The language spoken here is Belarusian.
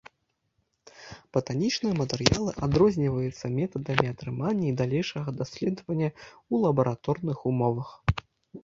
Батанічныя матэрыялы адрозніваюцца метадамі атрымання і далейшага даследавання ў лабараторных умовах.